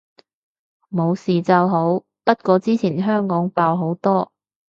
冇事就好，不過之前香港爆好多